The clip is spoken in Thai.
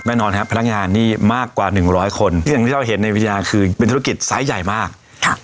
แน่นอนครับพนักงานนี่มากกว่าหนึ่งร้อยคนอย่างที่เราเห็นในวิทยาคือเป็นธุรกิจไซส์ใหญ่มากค่ะ